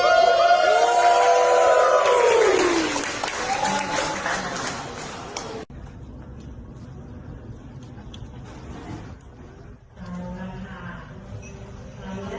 มิกกี้คุณพบในวันนี้